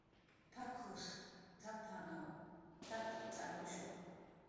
"p""ak""us tapanw tapt'anushu "